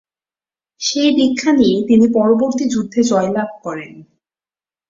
সেই দীক্ষা নিয়ে তিনি পরবর্তী যুদ্ধে জয়লাভ করেন।